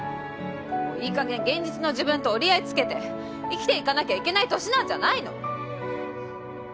もういい加減現実の自分と折り合いつけて生きていかなきゃいけない年なんじゃないの？